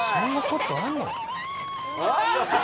そんなことあんの。